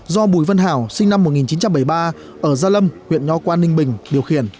do bùi văn hảo sinh năm một nghìn chín trăm bảy mươi ba ở gia lâm huyện nho quan ninh bình điều khiển